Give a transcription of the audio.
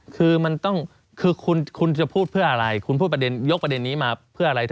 คือมันต้องคือคุณจะพูดเพื่ออะไรคุณพูดประเด็นยกประเด็นนี้มาเพื่ออะไร